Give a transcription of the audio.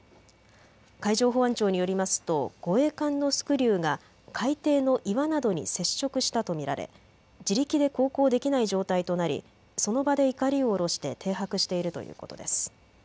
海上保安庁によりますと護衛艦のスクリューが海底の岩などに接触したと見られ自力で航行できない状態となりその場でいかりを下ろして停泊しているということです。